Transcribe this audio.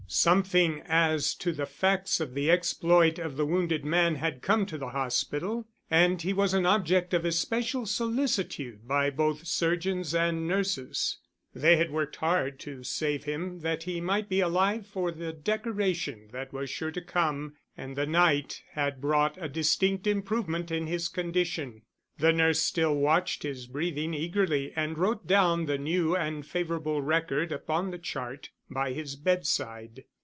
Something as to the facts of the exploit of the wounded man had come to the hospital and he was an object of especial solicitude by both surgeons and nurses. They had worked hard to save him that he might be alive for the decoration that was sure to come and the night had brought a distinct improvement in his condition. The nurse still watched his breathing eagerly and wrote down the new and favorable record upon the chart by his bedside.